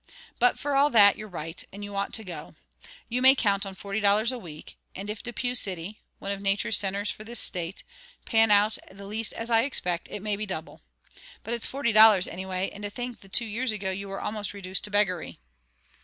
But for all that, you're right, and you ought to go. You may count on forty dollars a week; and if Depew City one of nature's centres for this State pan out the least as I expect, it may be double. But it's forty dollars anyway; and to think that two years ago you were almost reduced to beggary!"